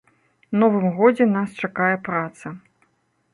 Новым годзе нас чакае праца.